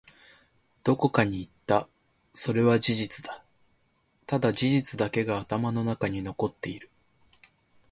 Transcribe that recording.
どこかに行った。それは事実だ。ただ、事実だけが頭の中に残っている。